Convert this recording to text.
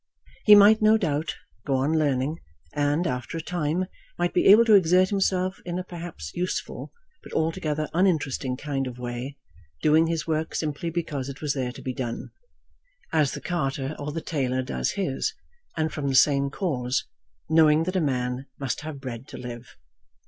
He might no doubt go on learning, and, after a time, might be able to exert himself in a perhaps useful, but altogether uninteresting kind of way, doing his work simply because it was there to be done, as the carter or the tailor does his; and from the same cause, knowing that a man must have bread to live.